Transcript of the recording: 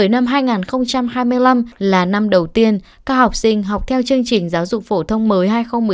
năm hai nghìn hai mươi năm là năm đầu tiên các học sinh học theo chương trình giáo dục phổ thông mới hai nghìn một mươi tám